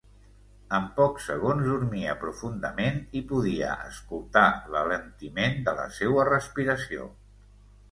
En pocs segons, dormia profundament i podia escoltar l'alentiment de la seua respiració.